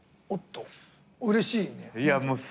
おっとうれしいね。